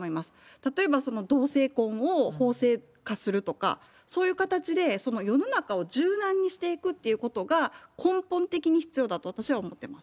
例えば同性婚を法制化するとか、そういう形で、世の中を柔軟にしていくっていうことが、根本的に必要だと私は思ってます。